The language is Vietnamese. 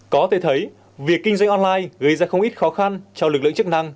có thể thấy việc kinh doanh online gây ra không ít khó khăn cho lực lượng chức năng